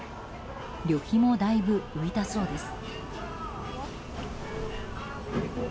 旅費もだいぶ浮いたそうです。